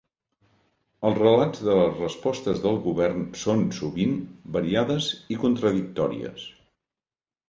Els relats de les respostes del govern són, sovint, variades i contradictòries.